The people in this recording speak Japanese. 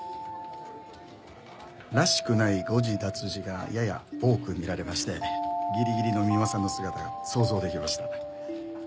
らしくない誤字脱字がやや多く見られましてギリギリの三馬さんの姿が想像できました。